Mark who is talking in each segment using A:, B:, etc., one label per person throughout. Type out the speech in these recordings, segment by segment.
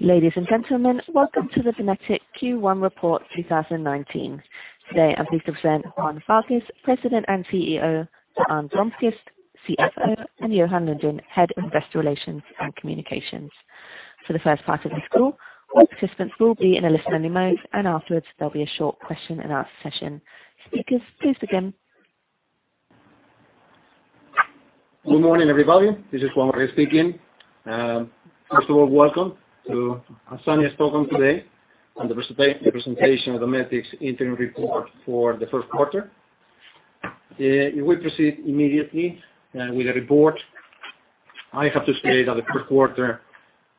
A: Ladies and gentlemen, welcome to the Dometic Q1 Report 2019. Today I'm pleased to present Juan Vargues, President and CEO, to Per-Arne, CFO, and Johan Lundin, Head of Investor Relations and Communications. Afterwards there'll be a short question-and-answer session. Speakers, please begin.
B: Good morning, everybody. This is Juan Vargues speaking. First of all, welcome to our earnings call today on the presentation of Dometic's interim report for the first quarter. We proceed immediately with the report. I have to say that the first quarter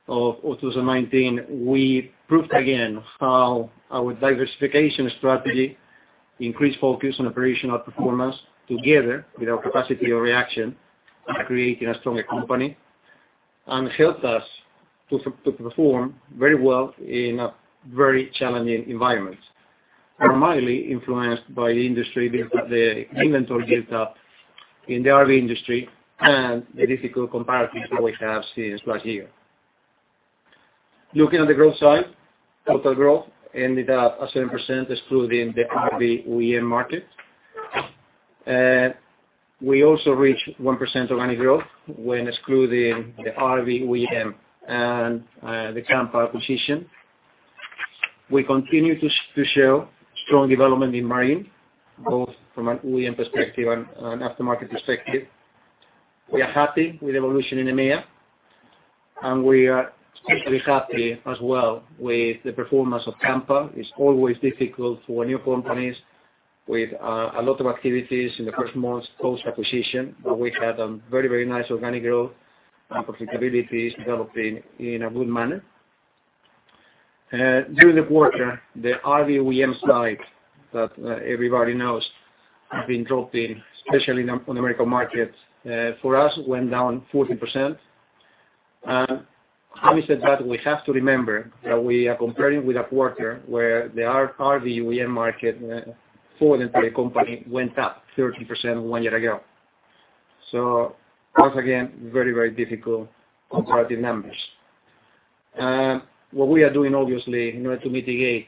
B: of 2019, we proved again how our diversification strategy increased focus on operational performance together with our capacity of reaction are creating a stronger company, and helped us to perform very well in a very challenging environment. Primarily influenced by the inventory build-up in the RV industry and the difficult comparisons that we have since last year. Looking at the growth side, total growth ended up at 7% excluding the RV OEM market. We also reached 1% organic growth when excluding the RV OEM and the Kampa acquisition. We continue to show strong development in Marine, both from an OEM perspective and an aftermarket perspective. We are happy with evolution in EMEA, and we are especially happy as well with the performance of Kampa. It's always difficult for new companies with a lot of activities in the first months post-acquisition. We had a very nice organic growth, and profitability is developing in a good manner. During the quarter, the RV OEM side that everybody knows has been dropping, especially on the American market. For us, it went down 14%. Having said that, we have to remember that we are comparing with a quarter where the RV OEM market for the entire company went up 13% one year ago. Once again, very difficult comparative numbers. What we are doing obviously in order to mitigate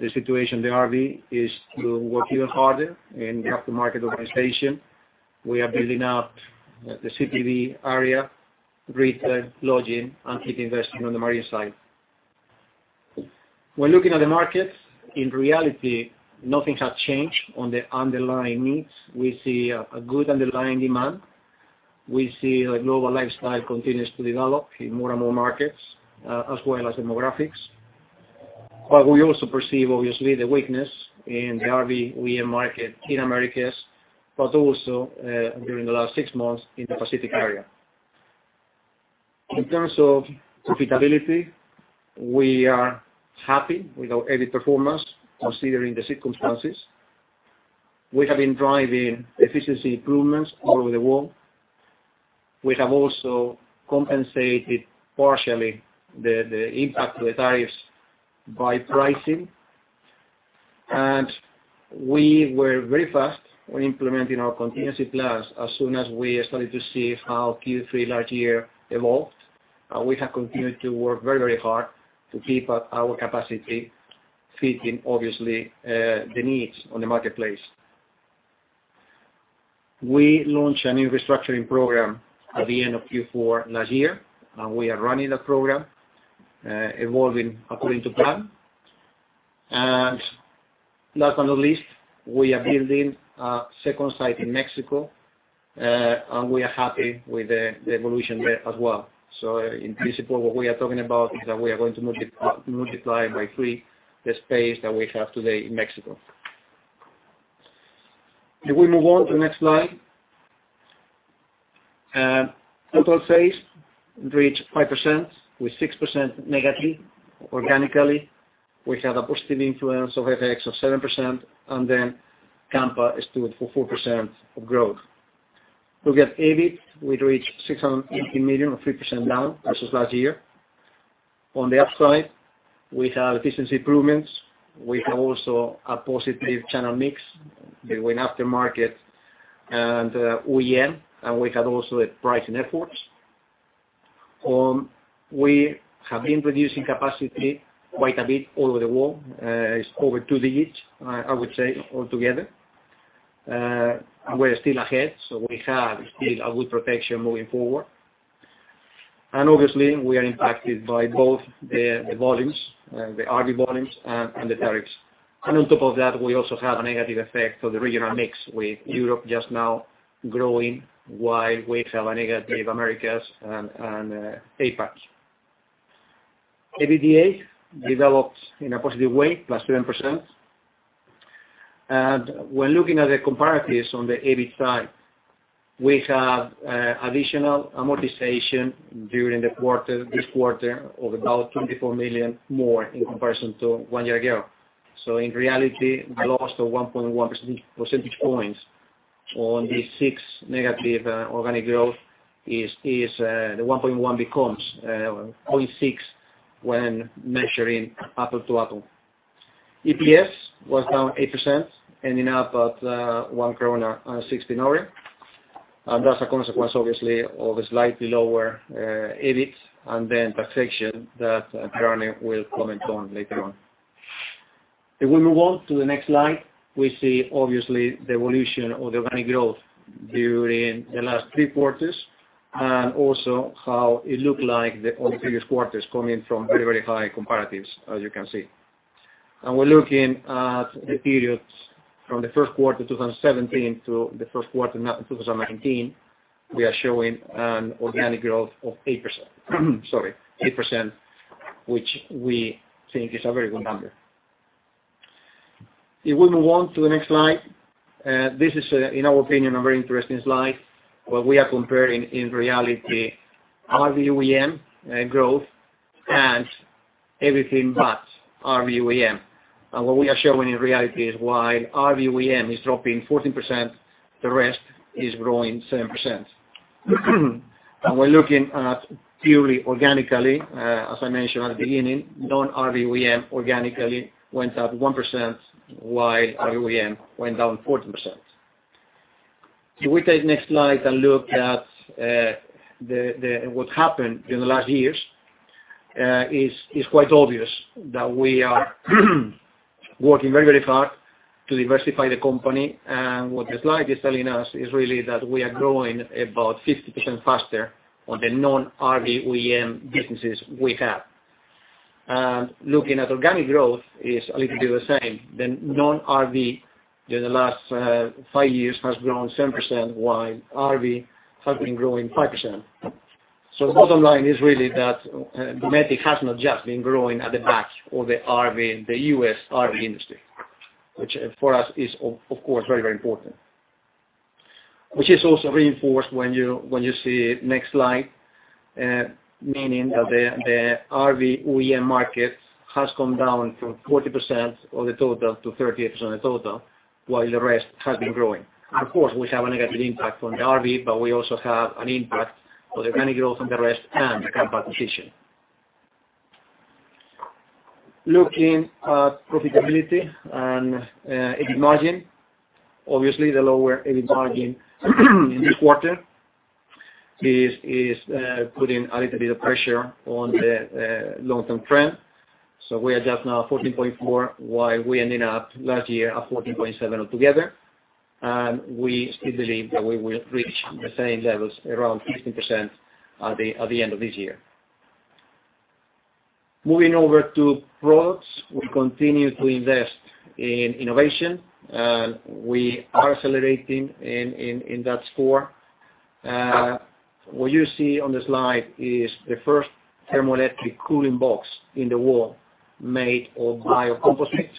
B: the situation in the RV is to work even harder in the aftermarket organization. We are building out the CPV area, retail, lodging, and keep investing on the Marine side. When looking at the markets, in reality, nothing has changed on the underlying needs. We see a good underlying demand. We see the global lifestyle continues to develop in more and more markets, as well as demographics. We also perceive, obviously, the weakness in the RV OEM market in Americas, but also, during the last six months in the Pacific area. In terms of profitability, we are happy with our EBIT performance considering the circumstances. We have been driving efficiency improvements all over the world. We have also compensated partially the impact of the tariffs by pricing. We were very fast when implementing our contingency plans as soon as we started to see how Q3 last year evolved. We have continued to work very hard to keep up our capacity fitting, obviously, the needs on the marketplace. We launched a new restructuring program at the end of Q4 last year, we are running the program, evolving according to plan. Last but not least, we are building a second site in Mexico, we are happy with the evolution there as well. In principle, what we are talking about is that we are going to multiply by three the space that we have today in Mexico. If we move on to the next slide. Total sales reached 5% with 6% negatively organically. We had a positive influence of FX of 7%, then Kampa stood for 4% of growth. Looking at EBIT, we reached 618 million or 3% down versus last year. On the upside, we have efficiency improvements. We have also a positive channel mix between aftermarket and OEM, we had also the pricing efforts. We have been reducing capacity quite a bit all over the world. It's over two digits, I would say, altogether. We are still ahead, we have still a good protection moving forward. Obviously, we are impacted by both the volumes, the RV volumes and the tariffs. On top of that, we also have a negative effect of the regional mix with Europe just now growing while we have a negative Americas and APAC. EBITDA developed in a positive way, +7%. When looking at the comparatives on the EBIT side, we have additional amortization during this quarter of about 24 million more in comparison to one year ago. In reality, the loss of 1.1% points on this 6% negative organic growth, the 1.1 becomes 0.6 when measuring apple to apple. EPS was down 8%, ending up at 1.06 krona. That's a consequence, obviously, of a slightly lower EBIT then taxation that Per-Arne will comment on later on. If we move on to the next slide, we see obviously the evolution of the organic growth during the last three quarters, also how it looked like on the previous quarters coming from very high comparatives, as you can see. We're looking at the periods from the first quarter 2017 to the first quarter now in 2019. We are showing an organic growth of 8%, sorry, 8%, which we think is a very good number. If we move on to the next slide. This is, in our opinion, a very interesting slide, where we are comparing, in reality, RV OEM growth and everything but RV OEM. What we are showing in reality is while RV OEM is dropping 14%, the rest is growing 7%. We're looking at purely organically, as I mentioned at the beginning, non-RV OEM organically went up 1%, while RV OEM went down 14%. If we take next slide and look at what happened in the last years, is quite obvious that we are working very hard to diversify the company. What the slide is telling us is really that we are growing about 50% faster on the non-RV OEM businesses we have. Looking at organic growth is a little bit the same. The non-RV during the last five years has grown 7%, while RV has been growing 5%. The bottom line is really that Dometic has not just been growing at the back of the U.S. RV industry. Which for us is, of course, very important. The RV OEM market has come down from 40% of the total to 38% of the total, while the rest has been growing. We have a negative impact on the RV, but we also have an impact on the organic growth on the rest and the Kampa position. EBIT margin. The lower EBIT margin in this quarter is putting a little bit of pressure on the long-term trend. We are just now 14.4%, while we ending up last year at 14.7% altogether. We still believe that we will reach the same levels, around 15%, at the end of this year. We continue to invest in innovation. We are accelerating in that score. The first thermoelectric cooling box in the world made of biocomposite.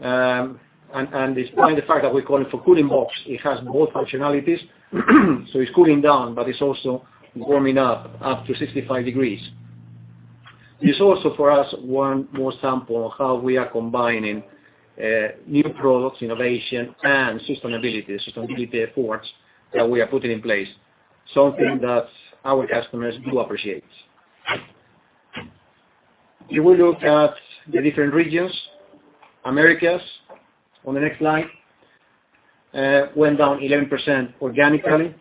B: Despite the fact that we call it for cooling box, it has both functionalities. It's cooling down, but it's also warming up to 65 degrees Celsius. This is also for us one more sample of how we are combining new products, innovation, and sustainability efforts that we are putting in place, something that our customers do appreciate. Americas went down 11% organically.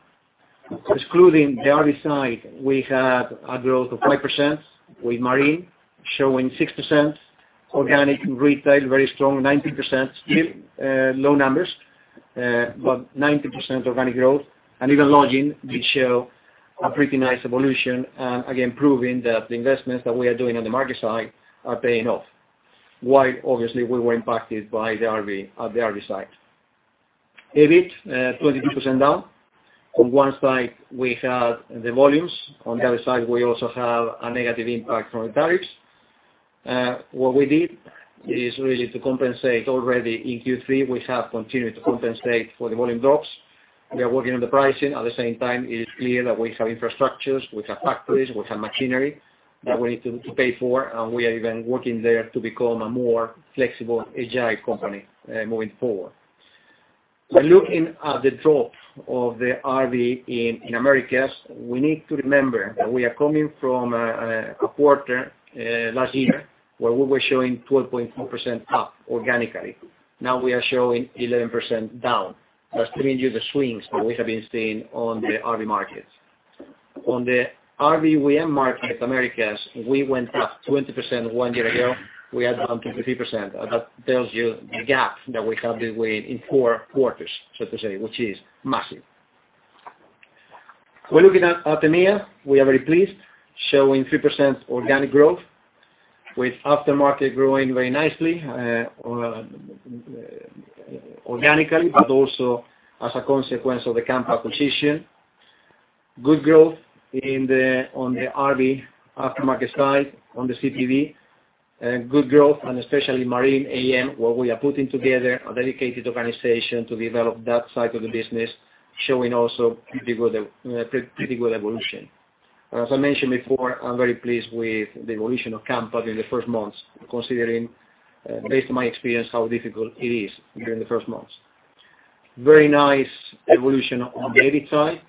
B: Excluding the RV side, we had a growth of 5%, with Marine showing 6% organic. Retail very strong, 19%, low numbers, but 19% organic growth. Even Lodging did show a pretty nice evolution, again, proving that the investments that we are doing on the market side are paying off. We were impacted at the RV side. EBIT, 22% down. On one side, we had the volumes. On the other side, we also have a negative impact from the tariffs. We have continued to compensate for the volume drops. We are working on the pricing. At the same time, it is clear that we have infrastructures, we have factories, we have machinery that we need to pay for, and we are even working there to become a more flexible, agile company moving forward. We need to remember that we are coming from a quarter last year where we were showing 12.4% up organically. We are showing 11% down. The swings that we have been seeing on the RV markets. We went up 20% one year ago. We are down to 15%. The gap that we have been with in 4 quarters, so to say, which is massive. We are very pleased, showing 3% organic growth, with aftermarket growing very nicely organically, but also as a consequence of the Kampa acquisition. Good growth on the RV aftermarket side, on the CPV. Good growth, and especially Marine AM, where we are putting together a dedicated organization to develop that side of the business, showing also pretty good evolution. I'm very pleased with the evolution of Kampa in the first months, considering, based on my experience, how difficult it is during the first months. Very nice evolution on the EBIT side.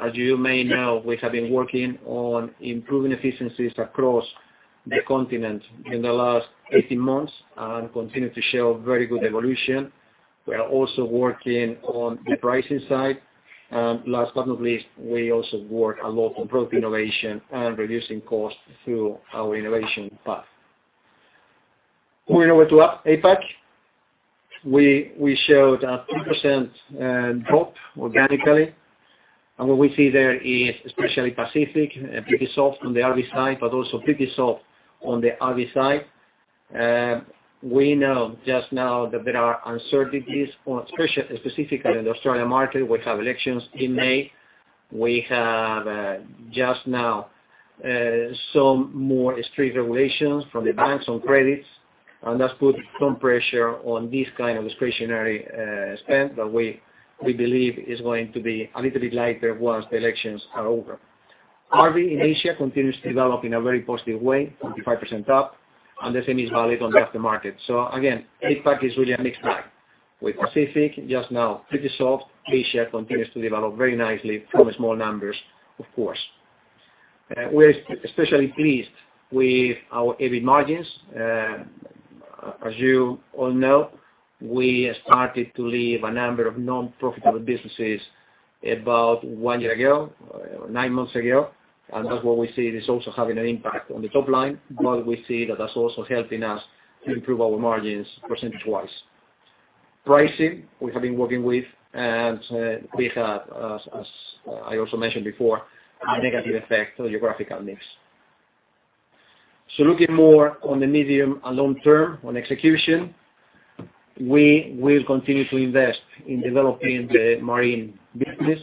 B: As you may know, we have been working on improving efficiencies across the continent in the last 18 months and continue to show very good evolution. We are also working on the pricing side. Last but not least, we also work a lot on product innovation and reducing costs through our innovation path. Moving over to APAC. We showed a 3% drop organically. What we see there is especially Pacific, pretty soft on the RV side, but also pretty soft on the RV side. We know just now that there are uncertainties, specifically in the Australian market. We have elections in May. We have just now some more strict regulations from the banks on credits, and that's put some pressure on this kind of discretionary spend that we believe is going to be a little bit lighter once the elections are over. RV in Asia continues to develop in a very positive way, 25% up, and the same is valid on the after market. Again, APAC is really a mixed bag with Pacific just now pretty soft. Asia continues to develop very nicely from small numbers, of course. We're especially pleased with our EBIT margins. As you all know, we started to leave a number of non-profitable businesses about one year ago, nine months ago, and that's what we see is also having an impact on the top line. We see that that's also helping us improve our margins percentage-wise. Pricing we have been working with, and we have, as I also mentioned before, a negative effect on geographical mix. Looking more on the medium and long term on execution, we will continue to invest in developing the marine business.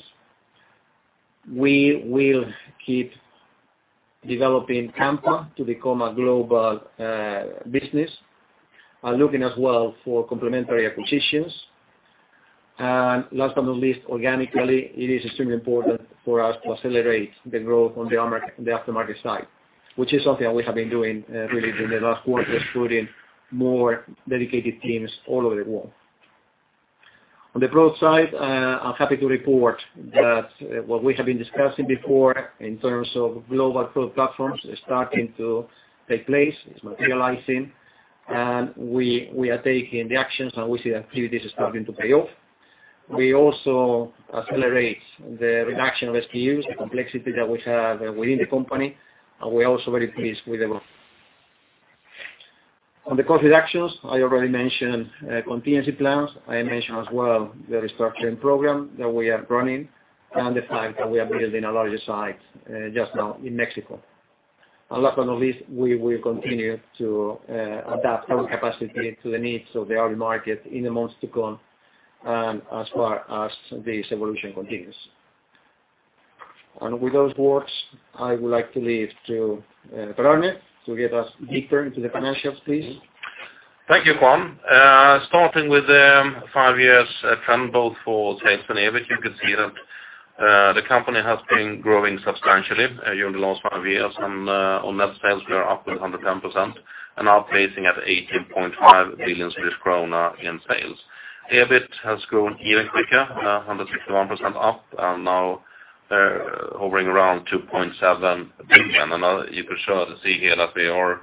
B: We will keep developing Kampa to become a global business, looking as well for complementary acquisitions. Last but not least, organically, it is extremely important for us to accelerate the growth on the after market side, which is something we have been doing really during the last quarter, putting more dedicated teams all over the world. On the product side, I'm happy to report that what we have been discussing before in terms of global product platforms is starting to take place. It's materializing, and we are taking the actions, and we see activities starting to pay off. We also accelerate the reduction of SKUs, the complexity that we have within the company, and we're also very pleased with the growth. On the cost reductions, I already mentioned contingency plans. I mentioned as well the restructuring program that we are running and the fact that we are building a larger site just now in Mexico. Last but not least, we will continue to adapt our capacity to the needs of the RV market in the months to come, and as far as this evolution continues. With those words, I would like to leave to Per-Arne to get us deeper into the financials, please.
C: Thank you, Juan. Starting with the five-year trend both for sales and EBIT, you can see that the company has been growing substantially during the last five years. On net sales, we are up to 110% and are placing at 18.5 billion Swedish krona in sales. EBIT has grown even quicker, 161% up and now hovering around 2.7 billion. You could see here that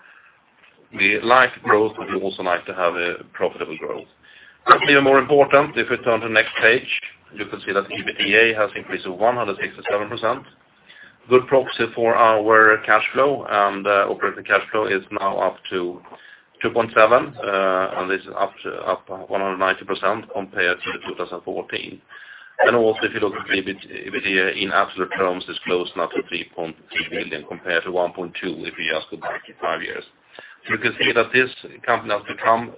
C: we like growth, but we also like to have profitable growth. Even more important, if we turn to next page, you can see that EBITDA has increased to 167%. Good proxy for our cash flow and operating cash flow is now up to 2.7 billion, and this is up 190% compared to 2014. Also, if you look at EBIT here in absolute terms, it's close now to 3.3 billion compared to 1.2 billion if you ask about five years. You can see that this company has become,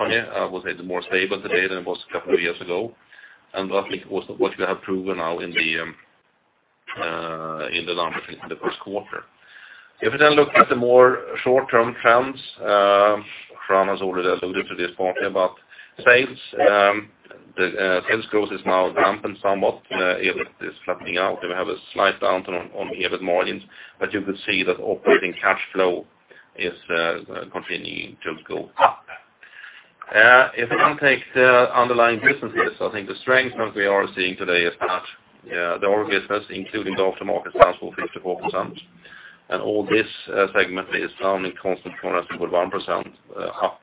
C: I would say, more stable today than it was a couple of years ago, and I think also what we have proven now in the numbers in the first quarter. If we then look at the more short-term trends, Juan has already alluded to this point about sales. The sales growth has now dampened somewhat. EBIT is flattening out, and we have a slight downturn on EBIT margins, but you could see that operating cash flow is continuing to go up. If one takes the underlying businesses, I think the strength that we are seeing today is that the RV business, including the aftermarket, stands for 54%, and all this segment is down in constant currency with 1% up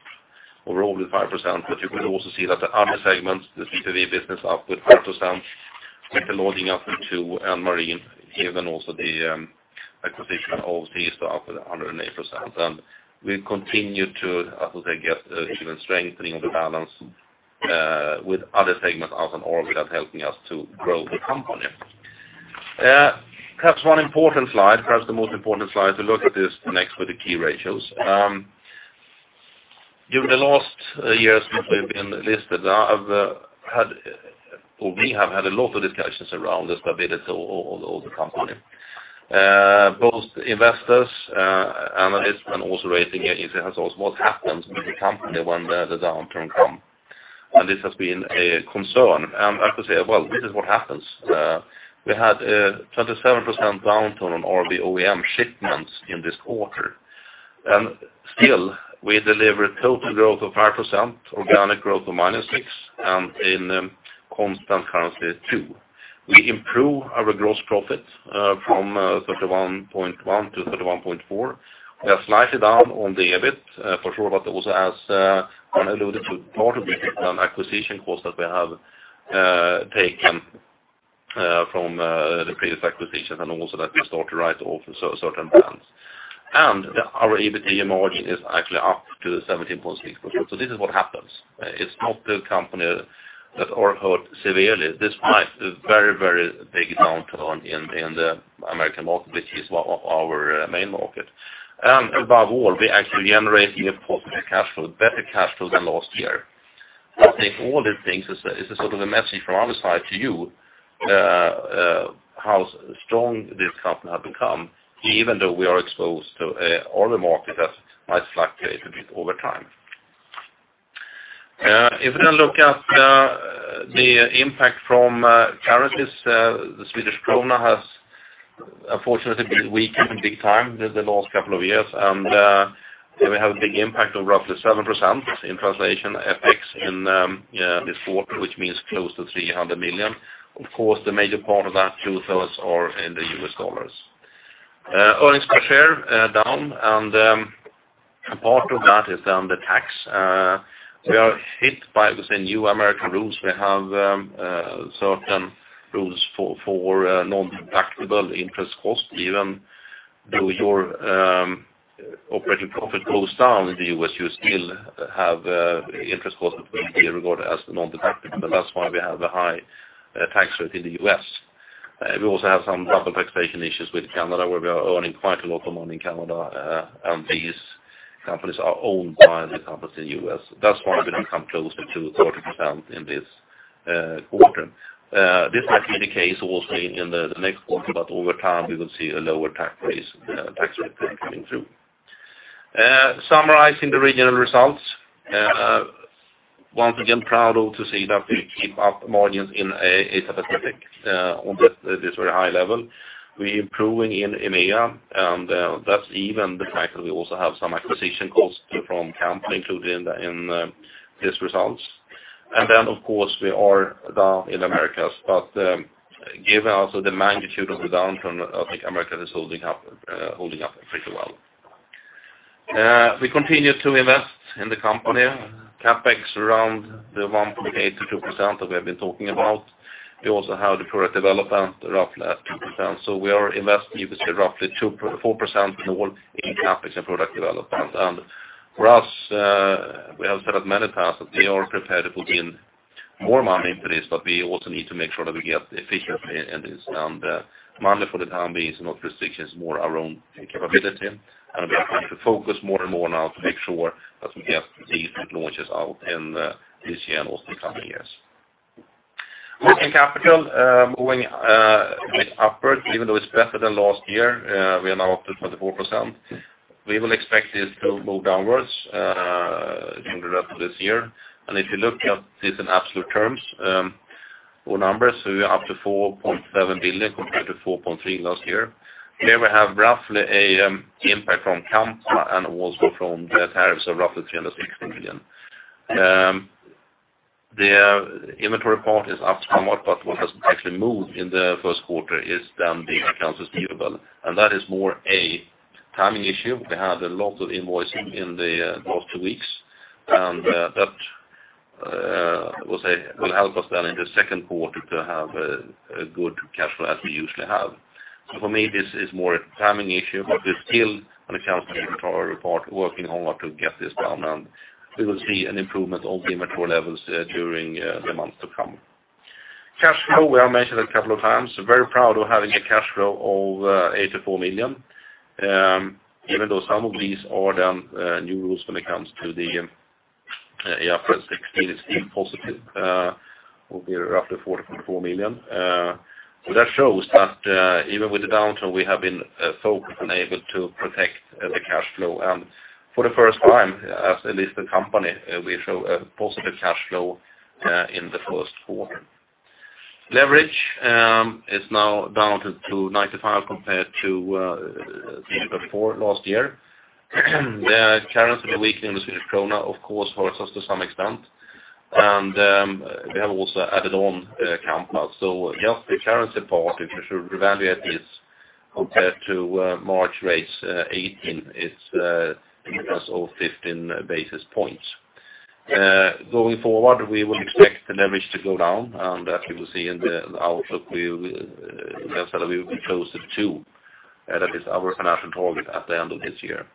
C: over only 5%. You can also see that the other segments, the B2B business up with 4%, special loading up with 2%, and Marine, given also the acquisition of these two, up with 108%. We continue to, I would say, get even strengthening of the balance with other segments other than RV that helping us to grow the company. Perhaps one important slide, perhaps the most important slide to look at is next with the key ratios. During the last years since we've been listed, we have had a lot of discussions around the stability of the company. Both investors, analysts, and also rating agencies ask what happens with the company when the downturn come? This has been a concern, and I could say, well, this is what happens. We had a 27% downturn on RV OEM shipments in this quarter. Still, we delivered total growth of 5%, organic growth of -6%, and in constant currency at 2%. We improved our gross profit from 31.1% to 31.4%. We are slightly down on the EBIT for sure, but also as I alluded to, partly because of acquisition costs that we have taken from the previous acquisitions and also that we start to write off certain brands. Our EBITDA margin is actually up to 17.6%. This is what happens. It's not the company that are hurt severely despite a very, very big downturn in the American market, which is one of our main markets. Above all, we actually generate a positive cash flow, better cash flow than last year. I think all these things is a sort of a message from our side to you, how strong this company have become, even though we are exposed to all the markets that might fluctuate a bit over time. If you now look at the impact from currencies, the Swedish krona has unfortunately been weakened big time in the last couple of years, and we have a big impact of roughly 7% in translation FX in this quarter, which means close to 300 million. Of course, the major part of that, two-thirds are in the US dollars. Part of that is down the tax. We are hit by the new American rules. We have certain rules for non-deductible interest costs. Even though your operating profit goes down in the U.S., you still have interest costs that will be regarded as non-deductible. That is why we have a high tax rate in the U.S. We also have some double taxation issues with Canada, where we are earning quite a lot of money in Canada. These companies are owned by the companies in the U.S. That is why we did not come closer to 30% in this quarter. This might be the case also in the next quarter. Over time we will see a lower tax rate coming through. Summarizing the regional results, once again, proud to say that we keep up margins in Asia Pacific on this very high level. We are improving in EMEA. That is even the fact that we also have some acquisition costs from Kampa included in these results. Of course, we are down in Americas. Given also the magnitude of the downturn, I think America is holding up pretty well. We continue to invest in the company, CapEx around the 1.8%-2% that we have been talking about. We also have the product development, roughly at 2%. We are investing roughly 4% in all in CapEx and product development. For us, we have said it many times that we are prepared to put in more money into this. We also need to make sure that we get efficiency in this. Money for the time being is not restrictions, more our own capability. We have to focus more and more now to make sure that we get these new launches out in this year and also the coming years. Working capital, moving upwards, even though it is better than last year, we are now up to 24%. We will expect this to move downwards during the rest of this year. If you look at this in absolute terms or numbers, we are up to 4.7 billion compared to 4.3 billion last year. Here we have roughly an impact from Kampa and also from the tariffs of roughly 360 million. The inventory part is up somewhat. What has actually moved in the first quarter is then the accounts receivable. That is more a timing issue. We had a lot of invoicing in the last two weeks. That will help us then in the second quarter to have a good cash flow as we usually have. For me, this is more a timing issue. We are still on account of the inventory part, working hard to get this down. We will see an improvement of the inventory levels during the months to come. Cash flow, we have mentioned a couple of times, very proud of having a cash flow of 84 million. Even though some of these are down new rules when it comes to the IFRS 16, still positive of roughly 44 million. That shows that even with the downturn, we have been focused and able to protect the cash flow. For the first time, as a listed company, we show a positive cash flow in the first quarter. Leverage is now down to 295 compared to 304 last year. The currency weakening, the Swedish krona, of course, hurts us to some extent. We have also added on Kampa. Just the currency part, if you should reevaluate this compared to March 2018 rates, it's plus or 15 basis points. Going forward, we will expect the leverage to go down, and as you will see in the outlook, we will be closer to that is our financial target at the end of this year.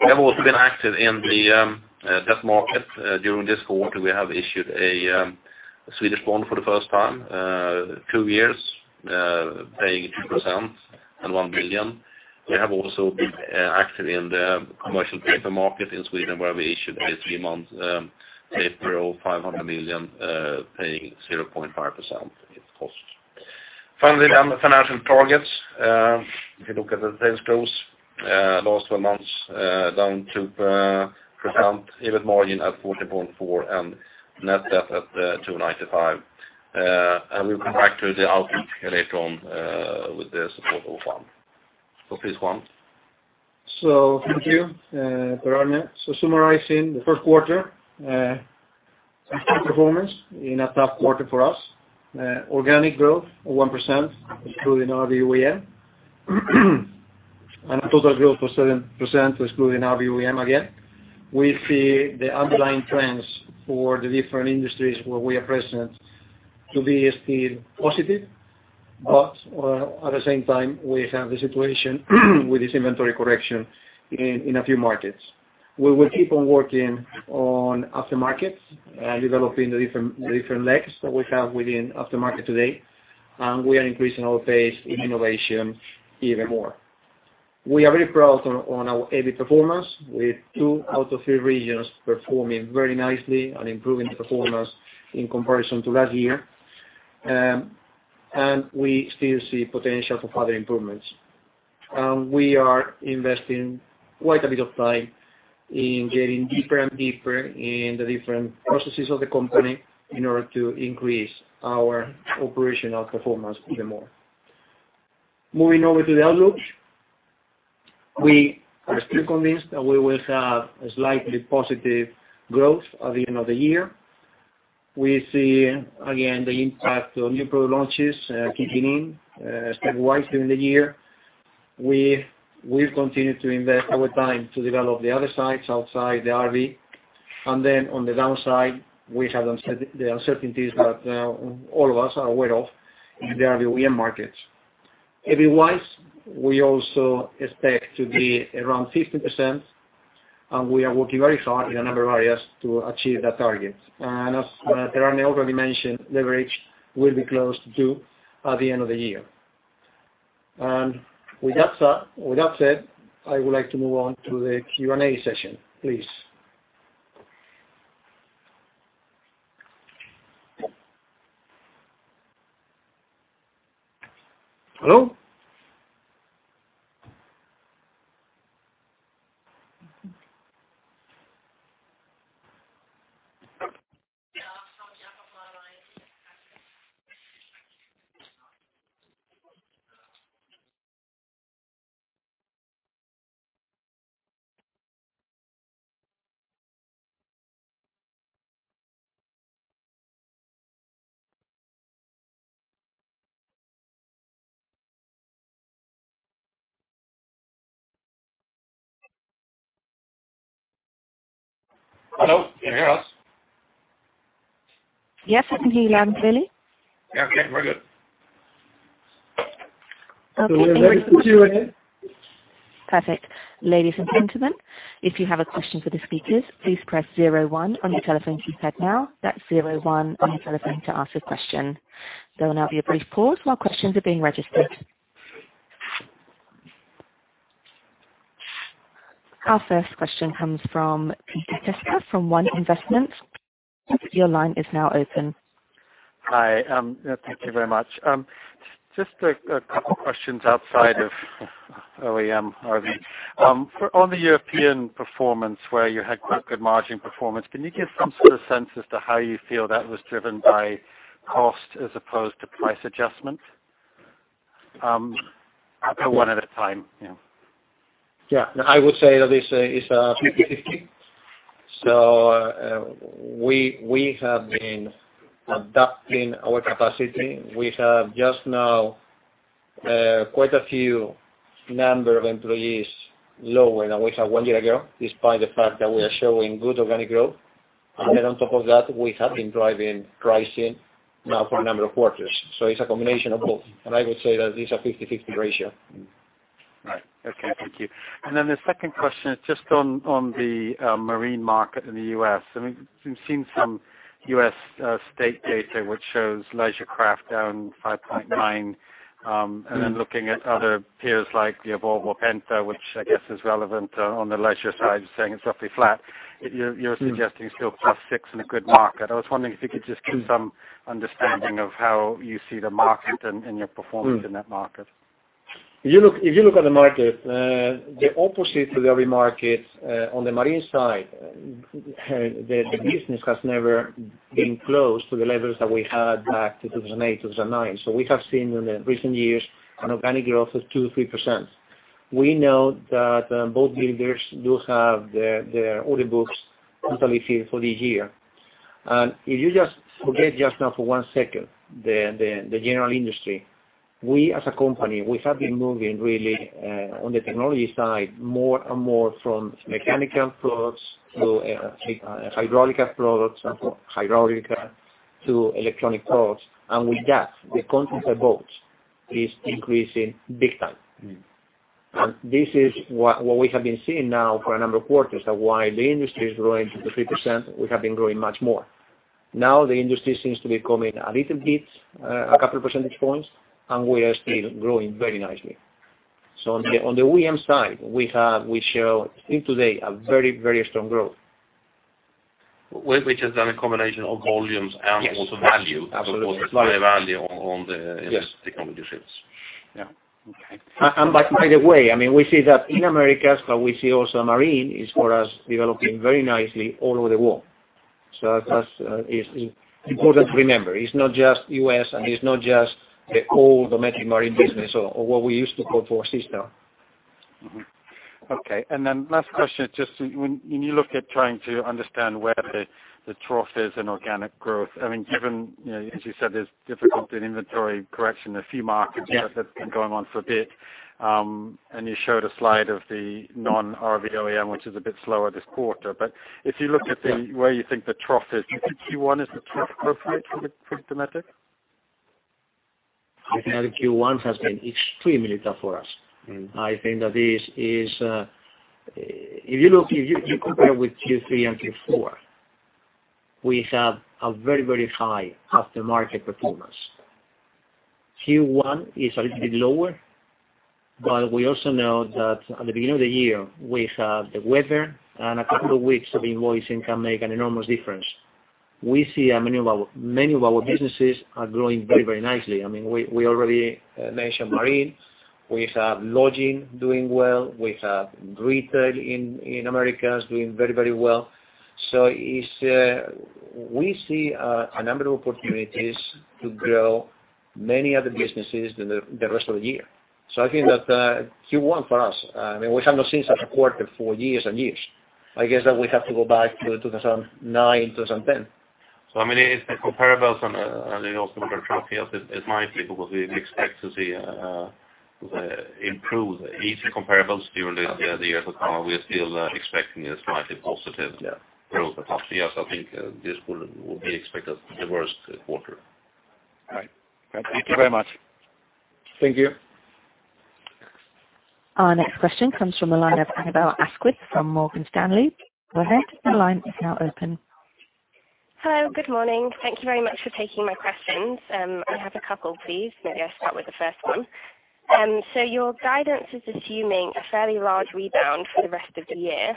C: We have also been active in the debt market during this quarter. We have issued a Swedish bond for the first time, two years paying 2% and 1 billion. We have also been active in the commercial paper market in Sweden, where we issued a three-month paper of SEK 500 million paying 0.5% in cost. Finally, on the financial targets, if you look at the sales growth, last 12 months down 2%. EBIT margin at 14.4% and net debt at 295. We'll come back to the outlook later on with the support of Juan. Please, Juan.
B: Thank you, Per-Arne. Summarizing the first quarter, strong performance in a tough quarter for us. Organic growth of 1% excluding RV OEM. Total growth was 7% excluding RV OEM again. We see the underlying trends for the different industries where we are present to be still positive. At the same time, we have the situation with this inventory correction in a few markets. We will keep on working on aftermarkets, developing the different legs that we have within aftermarket today, and we are increasing our pace in innovation even more. We are very proud of our EBIT performance, with two out of three regions performing very nicely and improving performance in comparison to last year. We still see potential for further improvements. We are investing quite a bit of time in getting deeper and deeper in the different processes of the company in order to increase our operational performance even more. Moving over to the outlook. We are still convinced that we will have a slightly positive growth at the end of the year. We see again the impact of new product launches kicking in stepwise during the year. We will continue to invest our time to develop the other sides outside the RV. On the downside, we have the uncertainties that all of us are aware of in the RV OEM markets. EBIT-wise, we also expect to be around 15%, and we are working very hard in a number of areas to achieve that target. As Per-Arne already mentioned, leverage will be close to at the end of the year. With that said, I would like to move on to the Q&A session, please. Hello?
C: Hello, can you hear us?
A: Yes, I can hear you loud and clearly.
C: Yeah, okay. We're good.
A: Okay.
B: We are ready to.
A: Perfect. Ladies and gentlemen, if you have a question for the speakers, please press zero one on your telephone keypad now. That's zero one on your telephone to ask a question. There will now be a brief pause while questions are being registered. Our first question comes from Peter Testa from One Investments. Your line is now open.
D: Hi. Thank you very much. Just a couple questions outside of OEM RV. On the European performance, where you had quite good margin performance, can you give some sort of sense as to how you feel that was driven by cost as opposed to price adjustment? I'll put one at a time. Yeah.
B: Yeah. I would say that it's a 50/50. We have been adapting our capacity. We have just now quite a few number of employees lower than we had one year ago, despite the fact that we are showing good organic growth. On top of that, we have been driving pricing now for a number of quarters. It's a combination of both, and I would say that it's a 50/50 ratio.
D: Right. Okay. Thank you. The second question is just on the Marine market in the U.S. We've seen some U.S. state data which shows leisure craft down 5.9%, then looking at other peers like Volvo Penta, which I guess is relevant on the leisure side, saying it's roughly flat. You're suggesting still +6% in a good market. I was wondering if you could just give some understanding of how you see the market and your performance in that market.
B: If you look at the market, the opposite to the RV market on the Marine side, the business has never been close to the levels that we had back to 2008, 2009. We have seen in the recent years an organic growth of 2%-3%. We know that boat builders do have their order books totally filled for this year. If you just forget just now for one second the general industry, we as a company, we have been moving really on the technology side, more and more from mechanical products to hydraulic products and from hydraulic to electronic products. With that, the content per boat is increasing big time. This is what we have been seeing now for a number of quarters, that while the industry is growing 2%-3%, we have been growing much more. Now the industry seems to be coming a little bit, a couple percentage points, we are still growing very nicely. On the OEM side, we show, I think today, a very strong growth.
C: Which is then a combination of volumes and also value.
B: Yes, absolutely.
C: Value on the technology ships.
D: Yeah. Okay.
B: By the way, we see that in Americas, we see also Marine is, for us, developing very nicely all over the world. That is important to remember. It's not just U.S., and it's not just the old Dometic Marine business or what we used to call SeaStar now.
D: Last question is just, when you look at trying to understand where the trough is in organic growth, given, as you said, there's difficulty in inventory correction in a few markets
B: Yes
D: That's been going on for a bit. You showed a slide of the non-RV OEM, which is a bit slower this quarter. If you look at where you think the trough is, do you think Q1 is the trough for Dometic?
B: I think Q1 has been extremely tough for us. I think that if you compare with Q3 and Q4, we have a very high aftermarket performance. Q1 is a little bit lower, but we also know that at the beginning of the year, we have the weather, and a couple of weeks of invoicing can make an enormous difference. We see many of our businesses are growing very nicely. We already mentioned Marine. We have lodging doing well. We have retail in Americas doing very well. I think that Q1 for us, we have not seen such a quarter for years and years. I guess that we have to go back to 2009, 2010.
C: It's the comparables and also the number of trough years is likely because we expect to see improved easier comparables during the year to come. We're still expecting a slightly positive. Yeah. Growth the past years. I think this will be expected the worst quarter.
D: All right. Thank you. Thank you very much.
B: Thank you.
A: Our next question comes from the line of Annabel Asquith from Morgan Stanley. Go ahead. The line is now open.
E: Hello. Good morning. Thank you very much for taking my questions. I have a couple, please. Maybe I'll start with the first one. Your guidance is assuming a fairly large rebound for the rest of the year.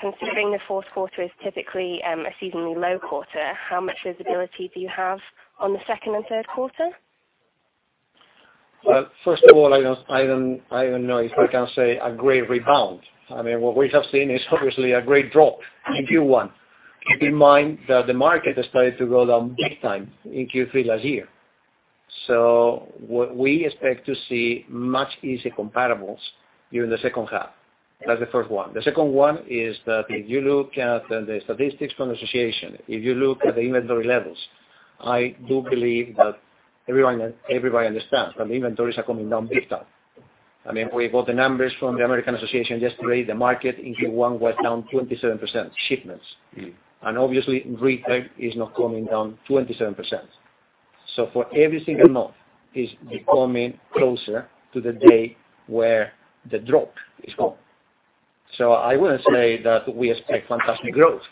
E: Considering the fourth quarter is typically a seasonally low quarter, how much visibility do you have on the second and third quarter?
B: First of all, I don't know if I can say a great rebound. What we have seen is obviously a great drop in Q1. Keep in mind that the market started to go down big time in Q3 last year. What we expect to see much easier comparables during the second half. That's the first one. The second one is that if you look at the statistics from the association, if you look at the inventory levels, I do believe that everybody understands that the inventories are coming down big time. We got the numbers from the American Association yesterday. The market in Q1 was down 27% shipments, and obviously retail is not coming down 27%. For every single month, it's becoming closer to the day where the drop is gone. I wouldn't say that we expect fantastic growth,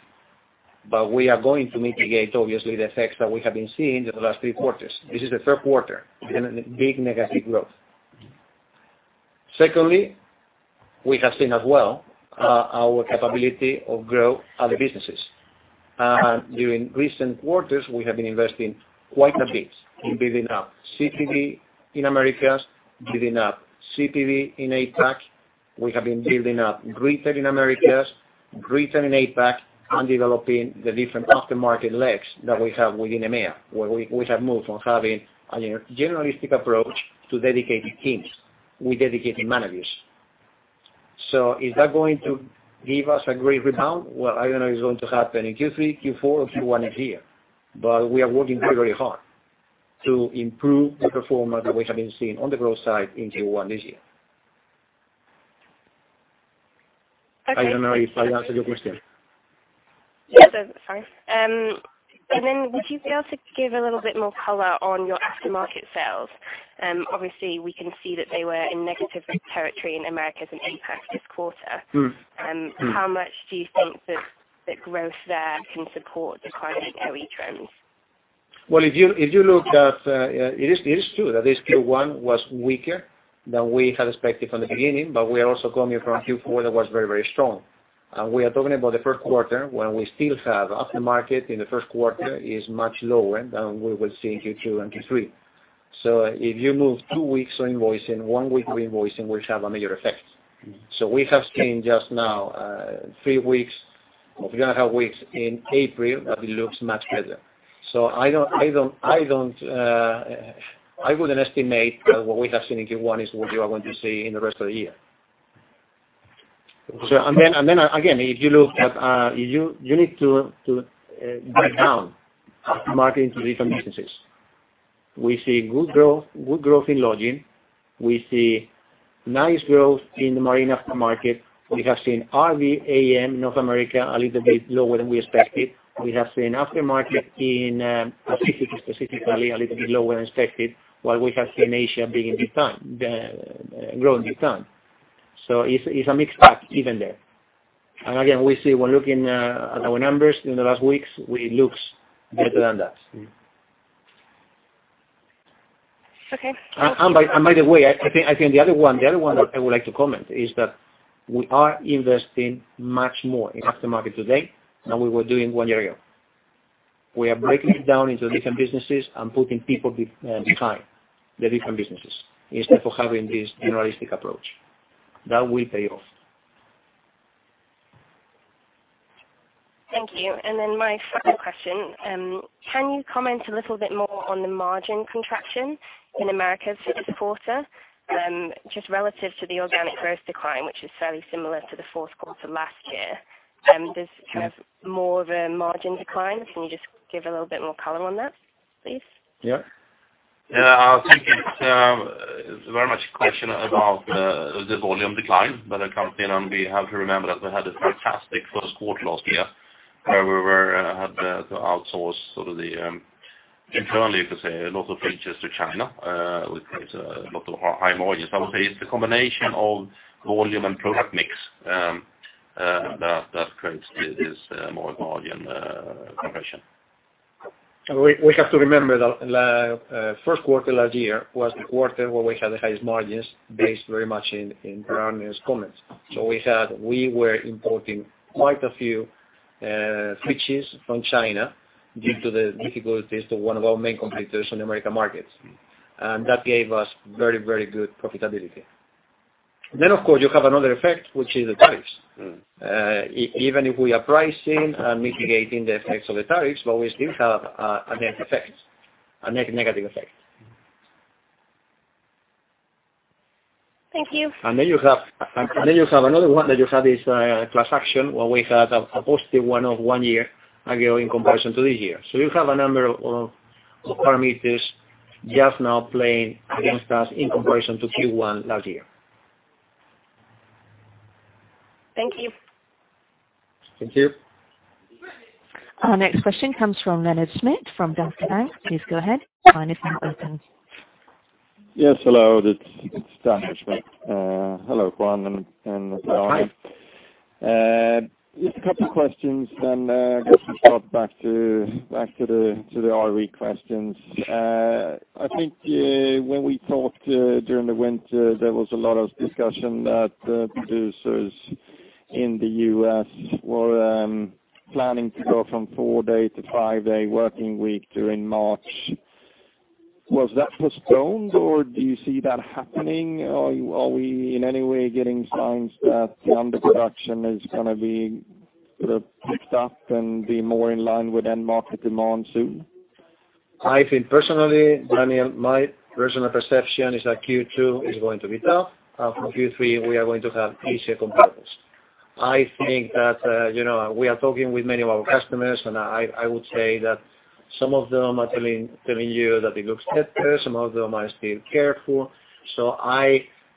B: we are going to mitigate, obviously, the effects that we have been seeing the last three quarters. This is the third quarter in a big negative growth. We have seen as well our capability of grow other businesses. During recent quarters, we have been investing quite a bit in building up CPV in Americas, building up CPV in APAC. We have been building up retail in Americas, retail in APAC, and developing the different aftermarket legs that we have within EMEA, where we have moved from having a generalistic approach to dedicated teams with dedicated managers. Is that going to give us a great rebound? Well, I don't know it's going to happen in Q3, Q4, or Q1 next year, we are working very hard to improve the performance that we have been seeing on the growth side in Q1 this year.
E: Okay.
B: I don't know if I answered your question.
E: Yes. Would you be able to give a little bit more color on your aftermarket sales? Obviously, we can see that they were in negative territory in Americas and APAC this quarter. How much do you think that growth there can support the climate carry trends?
B: Well, if you look at, it is true that this Q1 was weaker than we had expected from the beginning, but we are also coming from Q4 that was very strong. We are talking about the first quarter, when we still have aftermarket in the first quarter is much lower than we will see in Q2 and Q3. If you move two weeks of invoicing, one week of invoicing will have a major effect. We have seen just now three weeks, three and a half weeks in April that it looks much better. I wouldn't estimate that what we have seen in Q1 is what you are going to see in the rest of the year. Again, if you look at. You need to break down aftermarket into different businesses. We see good growth in lodging. We see nice growth in the marine aftermarket. We have seen RV AM North America a little bit lower than we expected. We have seen aftermarket in Pacific specifically a little bit lower than expected, while we have seen Asia growing big time. It's a mixed bag even there. Again, we see when looking at our numbers in the last weeks, it looks better than that.
E: Okay.
B: By the way, I think the other one that I would like to comment is that we are investing much more in aftermarket today than we were doing one year ago. We are breaking it down into different businesses and putting people behind the different businesses instead of having this generalistic approach. That will pay off.
E: Thank you. My second question, can you comment a little bit more on the margin contraction in Americas for the quarter? Just relative to the organic growth decline, which is fairly similar to the fourth quarter last year. There's kind of more of a margin decline. Can you just give a little bit more color on that, please?
B: Yeah.
C: Yeah. I think it's very much a question about the volume decline by the company. We have to remember that we had a fantastic first quarter last year, where we had to outsource sort of internally, you could say, a lot of features to China, which creates a lot of high margins. I would say it's the combination of volume and product mix that creates this margin compression.
B: We have to remember that first quarter last year was the quarter where we had the highest margins based very much in Daniel's comments. We were importing quite a few switches from China due to the difficulties to one of our main competitors in the American markets. That gave us very good profitability. Of course, you have another effect, which is the tariffs. Even if we are pricing and mitigating the effects of the tariffs, but we still have a negative effect.
E: Thank you.
B: You have another one that you have this class action where we had a positive one-off one year ago in comparison to this year. You have a number of parameters just now playing against us in comparison to Q1 last year.
E: Thank you.
C: Thank you.
A: Our next question comes from Daniel Schmidt from Danske Bank. Please go ahead. Your line is now open.
F: Yes, hello, it's Daniel Schmidt. Hello, Juan and Per-Arne. Just two questions I guess we'll drop back to the RV questions. I think when we talked during the winter, there was a lot of discussion that producers in the U.S. were planning to go from four day to five day working week during March. Was that postponed or do you see that happening? Are we in any way getting signs that the underproduction is going to be sort of picked up and be more in line with end market demand soon?
B: I think personally, Daniel, my personal perception is that Q2 is going to be tough. From Q3, we are going to have easier comparables. I think that we are talking with many of our customers, I would say that some of them are telling you that it looks better, some of them are still careful.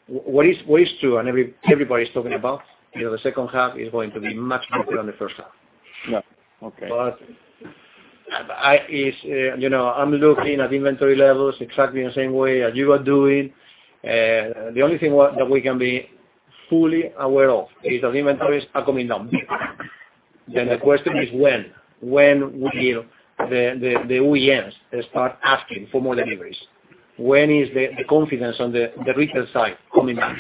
B: What is true and everybody's talking about, the second half is going to be much better than the first half.
F: Yeah. Okay.
B: I'm looking at inventory levels exactly in the same way as you are doing. The only thing that we can be fully aware of is that inventories are coming down. The question is when. When would the OEMs start asking for more deliveries? When is the confidence on the retail side coming back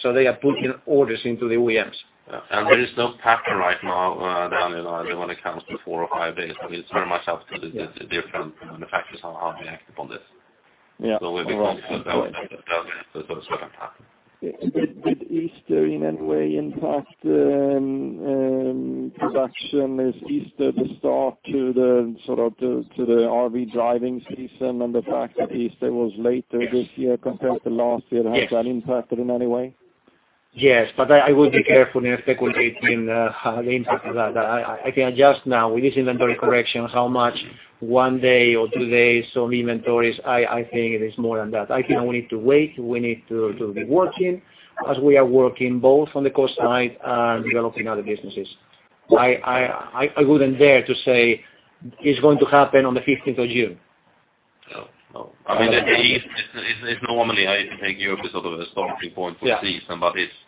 B: so they are putting orders into the OEMs?
C: There is no pattern right now, Daniel, when it comes to four or five days. I mean, it is very much up to the different manufacturers on how they act upon this.
F: Yeah.
C: We believe that that is what is going to happen.
F: Did Easter in any way impact production? Is Easter the start to the sort of RV driving season and the fact that Easter was later this year compared to last year?
B: Yes.
F: Has that impacted in any way?
B: Yes, I would be careful in speculating the impact of that. I can adjust now with this inventory correction how much one day or two days on inventories, I think it is more than that. I think we need to wait. We need to be working as we are working both on the cost side and developing other businesses. I wouldn't dare to say it's going to happen on the 15th of June.
C: No. I mean, Easter is normally I think Europe is sort of a starting point for the season.
B: Yeah
C: Sometimes Easter is early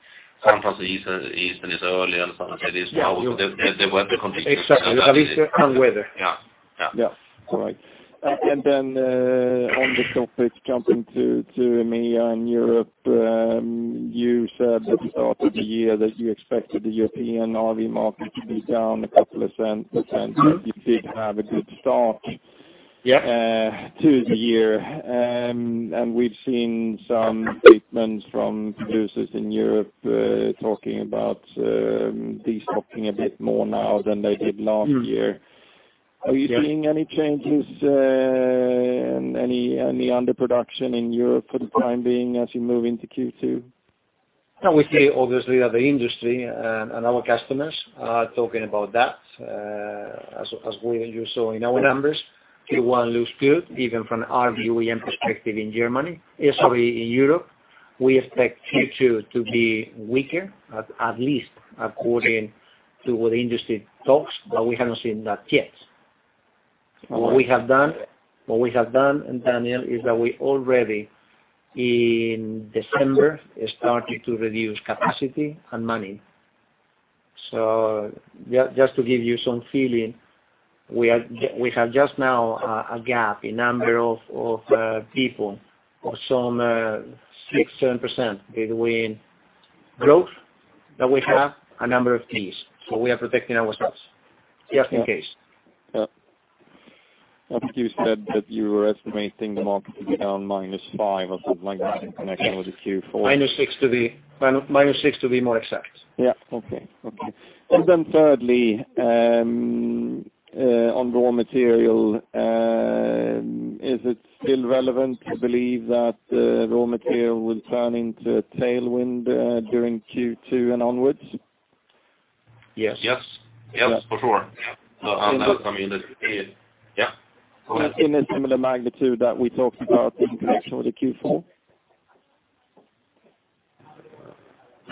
C: and sometimes it is now. The weather conditions.
B: Exactly. Easter and weather.
C: Yeah.
F: On the topic jumping to EMEA and Europe, you said at the start of the year that you expected the European RV market to be down a couple of %, you did have a good start. Yeah To the year. We've seen some statements from producers in Europe talking about de-stocking a bit more now than they did last year.
B: Yeah.
F: Are you seeing any changes, any underproduction in Europe for the time being as you move into Q2?
B: We see obviously that the industry and our customers are talking about that. As you saw in our numbers, Q1 looks good, even from an RV OEM perspective in Germany. Sorry, in Europe. We expect Q2 to be weaker, at least according to what the industry talks, we haven't seen that yet. What we have done, Daniel, is that we already in December started to reduce capacity and manning. Just to give you some feeling, we have just now a gap in number of people of some six, 7% between growth that we have a number of keys, we are protecting ourselves just in case.
F: Yeah. You said that you were estimating the market to be down -5% of the language in connection with the Q4.
B: -6% to be more exact.
F: Yeah. Okay. Then thirdly, on raw material, is it still relevant to believe that raw material will turn into a tailwind during Q2 and onwards?
B: Yes.
C: Yes. For sure. Yeah.
F: In a similar magnitude that we talked about in connection with the Q4?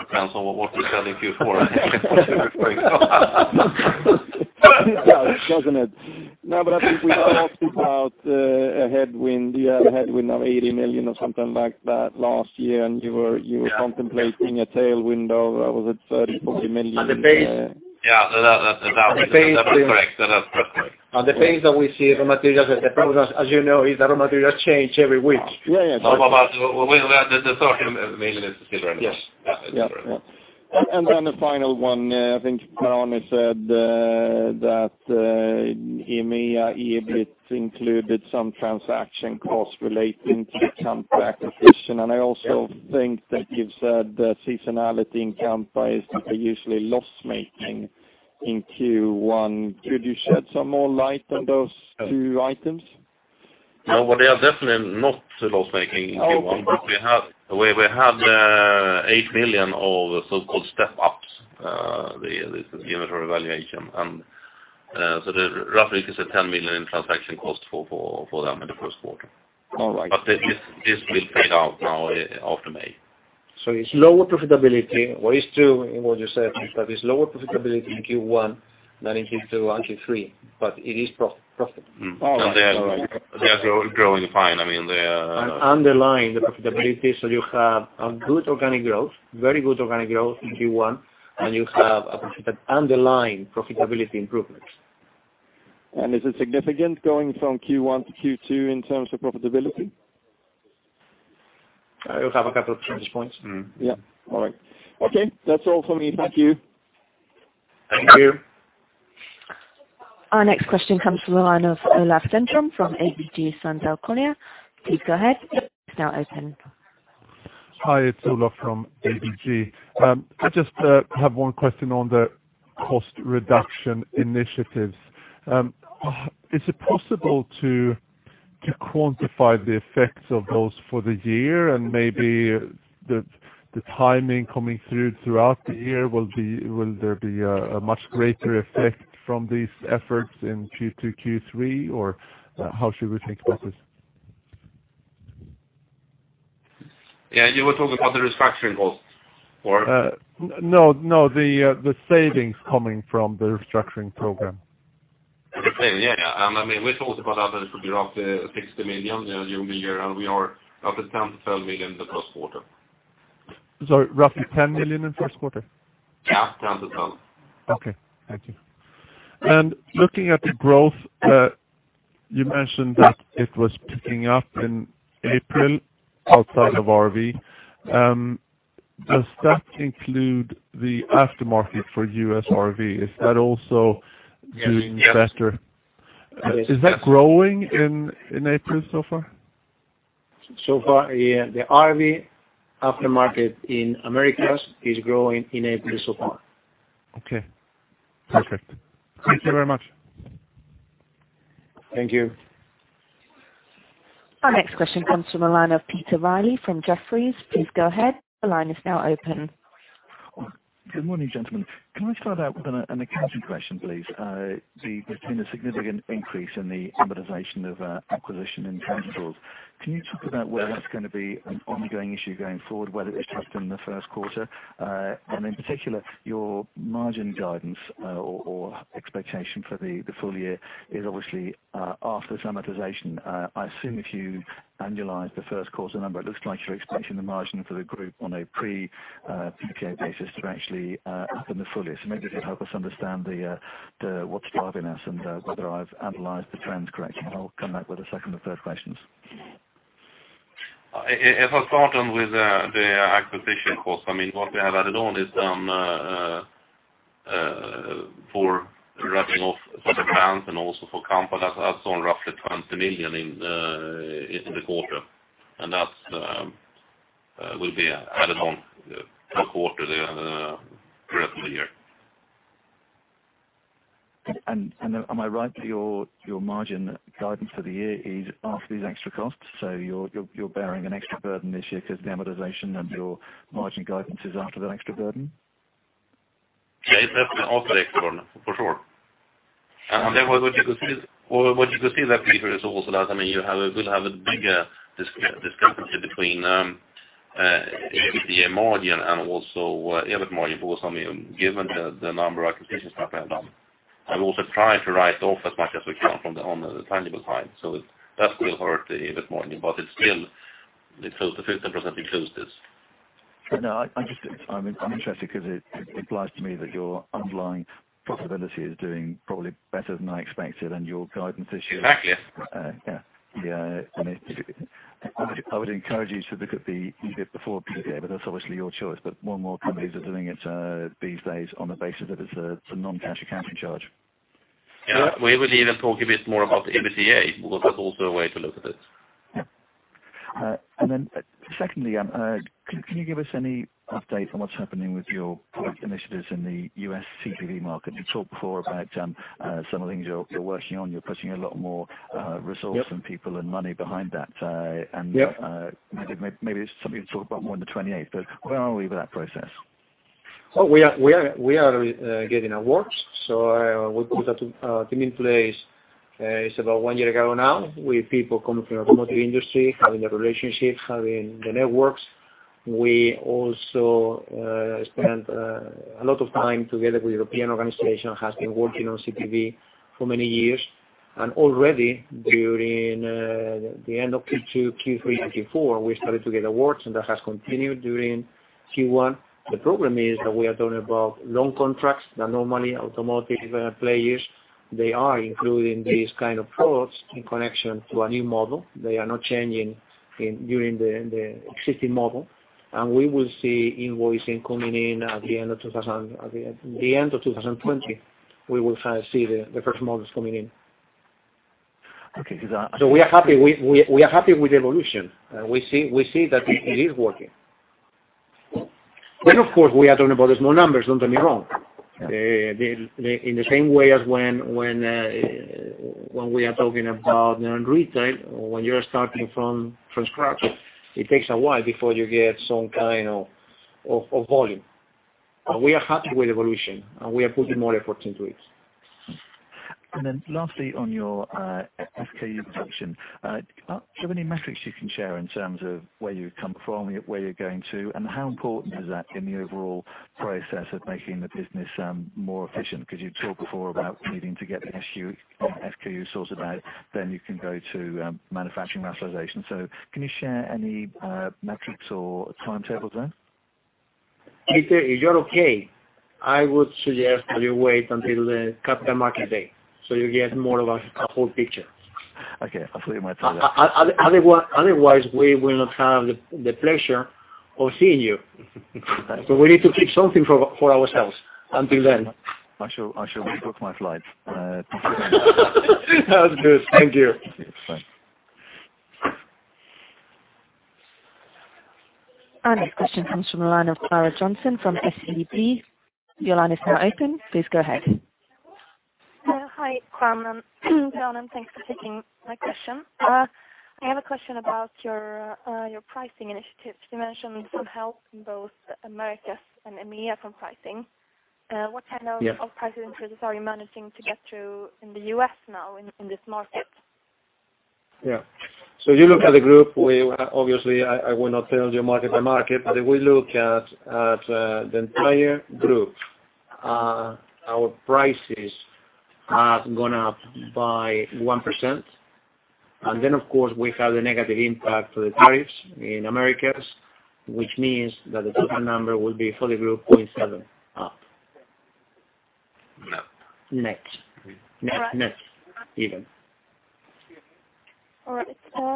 C: Depends on what we sell in Q4 I think is what you're referring to.
F: It does, doesn't it? No, I think we talked about you had a headwind of 80 million or something like that last year, and you were contemplating a tailwind of, what was it, 30 million, 40 million?
C: That's correct.
B: On the phase that we see raw materials at the moment, as you know, is that raw material change every week.
F: Yeah.
C: The story remains still relevant.
F: Yes.
C: Yeah. It's relevant.
F: Then the final one, I think Per-Arne said that EMEA, EBIT included some transaction costs relating to the Kampa acquisition. I also think that you've said the seasonality in Kampa is usually loss-making in Q1. Could you shed some more light on those two items?
C: No, they are definitely not loss-making in Q1 because we had 8 million of so-called step-ups, the unit of evaluation. Roughly it is a 10 million in transaction cost for them in the first quarter.
F: All right.
C: This will pay out now after May.
B: It's lower profitability, what is true in what you said, is that it's lower profitability in Q1 than in Q2 and Q3, it is profit.
F: All right.
C: They are growing fine.
B: Underlying the profitability. You have a good organic growth, very good organic growth in Q1, and you have a pretty good underlying profitability improvements.
F: Is it significant going from Q1 to Q2 in terms of profitability?
C: It'll have a couple of change points.
F: Yeah. All right. Okay. That's all for me. Thank you.
C: Thank you.
A: Our next question comes from the line of Olof Cederholm from ABG Sundal Collier. Please go ahead. Line now open.
G: Hi, it's Olof from ABG. I just have one question on the cost reduction initiatives. Is it possible to quantify the effects of those for the year and maybe the timing coming through throughout the year, will there be a much greater effect from these efforts in Q2, Q3, or how should we think about this?
C: Yeah. You were talking about the restructuring costs?
G: No, the savings coming from the restructuring program.
C: Yeah. We thought about that it should be roughly 60 million annual year, and we are up to 10 million-12 million the first quarter.
G: Sorry, roughly 10 million in first quarter?
C: Yeah. 10 million-12 million.
G: Okay. Thank you. Looking at the growth, you mentioned that it was picking up in April outside of RV. Does that include the aftermarket for U.S. RV? Is that also doing better?
C: Yes.
G: Is that growing in April so far?
B: So far, yeah. The RV aftermarket in Americas is growing in April so far.
G: Okay. Perfect. Thank you very much.
C: Thank you.
A: Our next question comes from a line of Peter Reilly from Jefferies. Please go ahead. The line is now open.
H: Good morning, gentlemen. Can I start out with an accounting question, please? There's been a significant increase in the amortization of acquisition in Kampa. Can you talk about whether that's going to be an ongoing issue going forward, whether it's just in the first quarter? In particular, your margin guidance, or expectation for the full-year is obviously after this amortization. I assume if you annualize the first quarter number, it looks like you're expecting the margin for the group on a pre PPA basis to actually up in the full-year. Maybe if you'd help us understand what's driving this and whether I've analyzed the trends correctly. I'll come back with a second or third questions.
C: If I start on with the acquisition cost, what we have added on is for writing off for the brands and also for Kampa. That's on roughly 20 million in the quarter. That will be added on per quarter the rest of the year.
H: Am I right that your margin guidance for the year is after these extra costs? You're bearing an extra burden this year because the amortization of your margin guidance is after that extra burden?
C: It's definitely after the extra burden, for sure. What you could see there, Peter, is also that you will have a bigger discrepancy between the EBITA margin and also EBIT margin for us, given the number of acquisitions that we have done. We also try to write off as much as we can on the tangible side. That will hurt the EBIT margin, but it's still close to 15% EPS.
H: No, I'm interested because it implies to me that your underlying profitability is doing probably better than I expected and your guidance.
C: Exactly.
H: Yeah. I would encourage you to look at the EBIT before PPA, that's obviously your choice. More and more companies are doing it these days on the basis that it's a non-cash accounting charge.
B: Yeah. We will even talk a bit more about EBITA, because that's also a way to look at it.
H: Yeah. Secondly, can you give us any update on what's happening with your product initiatives in the U.S. CPV market? You talked before about some of the things you're working on. You're putting a lot more resources.
B: Yeah
H: People and money behind that.
B: Yeah.
H: Maybe it's something to talk about more on the 28th, where are we with that process?
B: We are getting awards. We put a team in place. It's about one year ago now, with people coming from automotive industry, having the relationships, having the networks. We also spent a lot of time together with European organization, has been working on CPV for many years. Already during the end of Q2, Q3, and Q4, we started to get awards, that has continued during Q1. The problem is that we are talking about long contracts that normally automotive players, they are including these kind of products in connection to a new model. They are not changing during the existing model. We will see invoicing coming in at the end of 2020. We will see the first models coming in.
H: Okay.
B: We are happy with the evolution. We see that it is working. Of course, we are talking about the small numbers, don't get me wrong.
H: Yeah.
B: In the same way as when we are talking about retail, when you are starting from scratch, it takes a while before you get some kind of volume. We are happy with evolution, and we are putting more efforts into it.
H: Lastly, on your SKU reduction, do you have any metrics you can share in terms of where you have come from, where you are going to, and how important is that in the overall process of making the business more efficient? Because you talked before about needing to get the SKU sorted out, then you can go to manufacturing rationalization. Can you share any metrics or timetables there?
B: Peter, if you are okay, I would suggest that you wait until the Capital Markets Day, so you get more of a whole picture.
H: Okay. I thought you might say that.
B: Otherwise, we will not have the pleasure of seeing you. We need to keep something for ourselves until then.
H: I shall rebook my flight. Thank you very much.
B: That's good. Thank you.
H: Thanks.
A: Our next question comes from the line of Klara Jonsson from SEB. Your line is now open. Please go ahead.
I: Hi, Juan, thanks for taking my question. I have a question about your pricing initiatives. You mentioned some help in both Americas and EMEA from pricing.
B: Yes.
I: What kind of price increases are you managing to get through in the U.S. now in this market?
B: Yeah. You look at the group, obviously, I will not tell you market by market, if we look at the entire group, our prices have gone up by 1%. Then, of course, we have the negative impact to the tariffs in Americas, which means that the total number will be for the group 0.7% up.
H: Net.
B: Net.
I: All right.
B: Net even.
I: All right.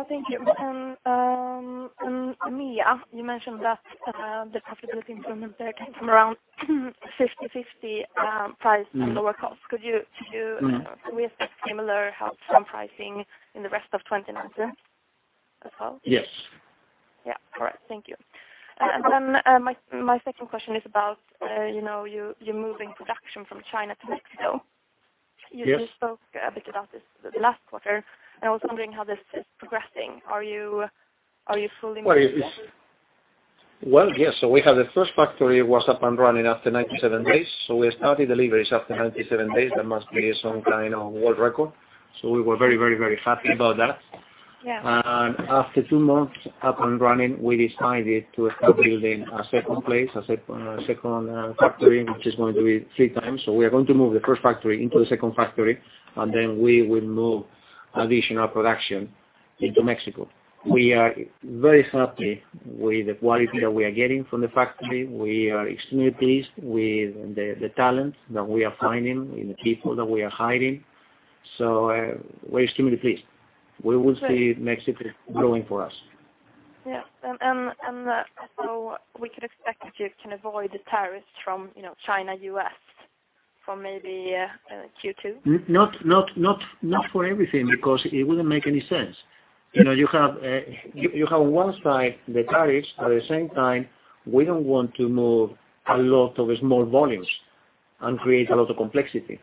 I: Thank you. In EMEA, you mentioned that the profitability improvement there came from around 50/50 price and lower cost. Could we expect similar help from pricing in the rest of 2019 as well?
B: Yes.
I: Yeah. All right. Thank you. Then my second question is about you moving production from China to Mexico.
B: Yes.
I: You spoke a bit about this last quarter, I was wondering how this is progressing. Are you fully?
B: Well, yes. We have the first factory was up and running after 97 days. We started deliveries after 97 days. That must be some kind of world record. We were very happy about that.
I: Yeah.
B: After two months up and running, we decided to start building a second place, a second factory, which is going to be three times. We are going to move the first factory into the second factory, we will move additional production into Mexico. We are very happy with the quality that we are getting from the factory. We are extremely pleased with the talent that we are finding in the people that we are hiring. We're extremely pleased. We will see Mexico growing for us.
I: Yeah. We could expect you can avoid the tariffs from China U.S. from maybe Q2?
B: Not for everything, because it wouldn't make any sense. You have one side, the tariffs. At the same time, we don't want to move a lot of small volumes and create a lot of complexity.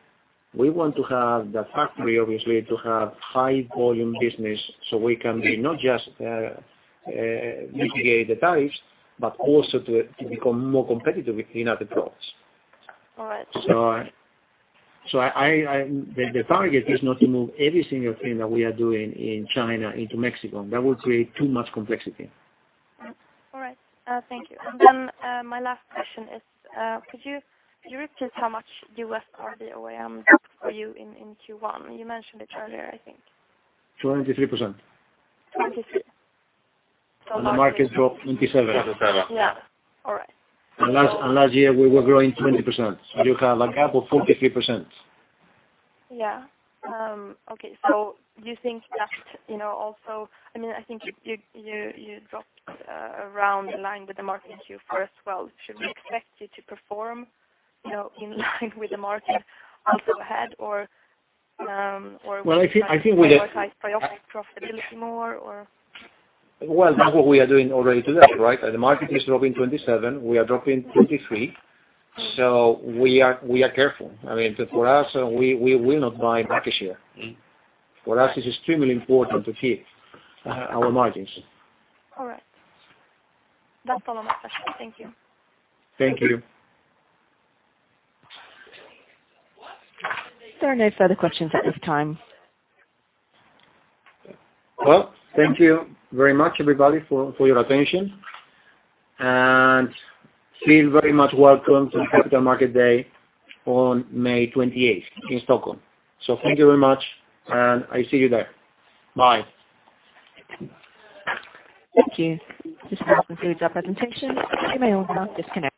B: We want to have the factory, obviously, to have high volume business, so we can be not just mitigate the tariffs, but also to become more competitive in other products.
I: All right.
B: The target is not to move every single thing that we are doing in China into Mexico. That will create too much complexity.
I: All right. Thank you. My last question is, could you repeat how much U.S. RV OEM for you in Q1? You mentioned it earlier, I think.
B: 23%.
I: 23.
B: The market dropped 27%.
C: 27.
I: Yeah. All right.
B: Last year, we were growing 20%, so you have a gap of 43%.
I: Yeah. Okay. Do you think that also, I think you dropped around in line with the market in Q1 as well. Should we expect you to perform in line with the market also ahead or?
B: Well, I think with the
I: Profitability more or?
B: Well, that's what we are doing already today, right? The market is dropping 27. We are dropping 23. We are careful. For us, we will not buy back this year. For us, it's extremely important to keep our margins.
I: All right. That's all my questions. Thank you.
B: Thank you.
A: There are no further questions at this time.
B: Well, thank you very much, everybody, for your attention. Feel very much welcome to Capital Markets Day on May 28th in Stockholm. Thank you very much, and I see you there. Bye.
A: Thank you. This now concludes our presentation. You may all now disconnect.